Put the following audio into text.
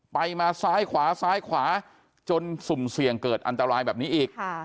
ไปมาซ้ายขวาซ้ายขวาจนสุ่มเสี่ยงเกิดอันตรายแบบนี้อีก